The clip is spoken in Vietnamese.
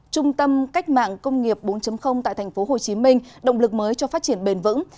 trung tâm cách mạng công nghiệp bốn tại tp hcm động lực mới cho phát triển bền vững